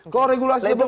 kalau regulasi belum cocok